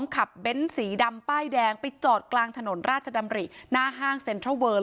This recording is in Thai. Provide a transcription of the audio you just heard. ขับเบ้นสีดำป้ายแดงไปจอดกลางถนนราชดำริหน้าห้างเซ็นทรัลเวิร์น